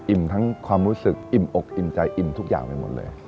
ทั้งความรู้สึกอิ่มอกอิ่มใจอิ่มทุกอย่างไปหมดเลย